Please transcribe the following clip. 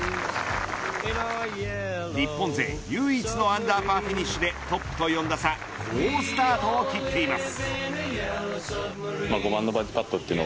日本勢唯一のアンダーパーフィニッシュでトップと４打差好スタートを切っています。